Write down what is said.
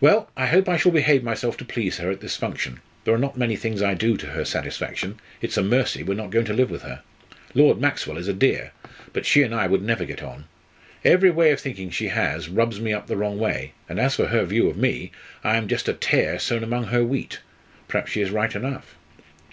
Well! I hope I shall behave myself to please her at this function. There are not many things I do to her satisfaction; it's a mercy we're not going to live with her. Lord Maxwell is a dear; but she and I would never get on. Every way of thinking she has, rubs me up the wrong way; and as for her view of me, I am just a tare sown among her wheat. Perhaps she is right enough!"